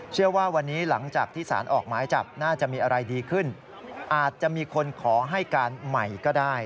เชื่อว่าวันนี้หลังจากที่สารออกหมายจับน่าจะมีอะไรดีขึ้นอาจจะมีคนขอให้การใหม่ก็ได้